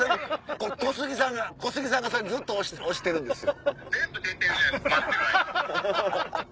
小杉さんがそれずっと押してるんですよ。